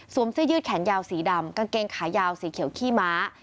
เสื้อยืดแขนยาวสีดำกางเกงขายาวสีเขียวขี้ม้า